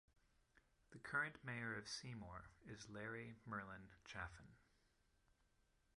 The current mayor of Seymour is Larry Merlen Chafin.